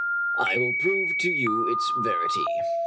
I will prove to you its verity.